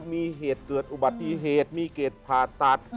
มีเหตุเกิดอุบัติเหตุมีเกรดผ่าตัด